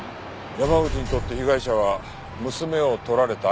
山口にとって被害者は娘を取られた相手でもある。